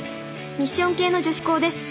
ミッション系の女子校です